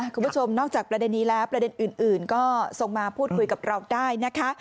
คุณผู้ชมนอกจากประเด็นนี้แล้วประเด็นอื่นก็ส่งมาพูดคุยกับเราได้นะคะ